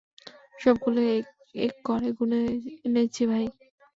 সবগুলোকে এক এক করে গুণে এনেছি, ভাই।